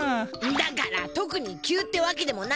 だからとくに急ってわけでもない！